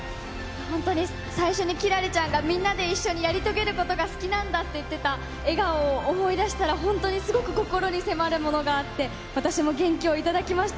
本当に最初に輝星ちゃんがみんなで一緒にやり遂げることが好きなんだって言ってた笑顔を思い出したら、本当にすごく心に迫るものがあって、私も元気を頂きました、